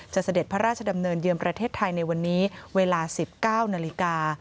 เสด็จพระราชดำเนินเยือนประเทศไทยในวันนี้เวลา๑๙นาฬิกา